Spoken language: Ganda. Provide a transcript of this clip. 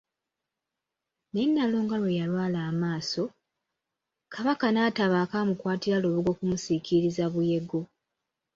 Naye Nnalunga lwe yalwala amaaso, Kabaka n'atabaako amukwatira lubugo kumusiikiriza Buyego.